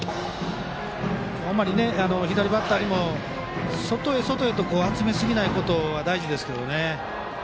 あまり左バッターにも外へ外へと集めすぎないことが大事ですね。